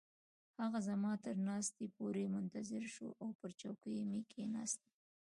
هغه زما تر ناستې پورې منتظر شو او پر چوکۍ مې کښیناستم.